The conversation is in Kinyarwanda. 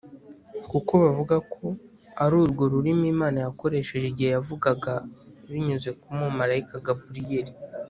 kuko bavuga ko ari rwo rurimi imana yakoresheje igihe yavugaga binyuze ku mumarayika gaburiyeli.